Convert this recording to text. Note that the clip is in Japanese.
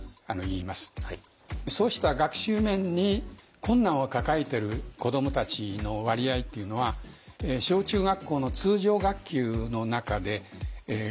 そうした学習面に困難を抱えてる子どもたちの割合っていうのは小・中学校の通常学級の中で６．５％います。